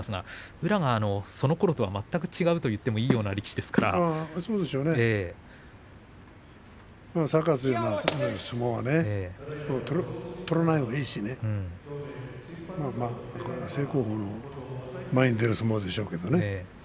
宇良がそのころとは全く違う力士とサーカスのような相撲は取らないほうがいいしね正攻法の前に出る相撲でしょうけれどもね。